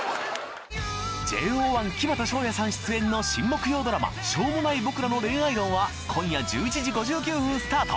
ＪＯ１木全翔也さん出演の新木曜ドラマ『しょうもない僕らの恋愛論』は今夜１１時５９分スタート！